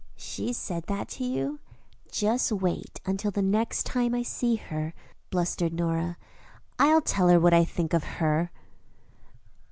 "She said that to you? Just wait until the next time I see her," blustered Nora, "I'll tell her what I think of her."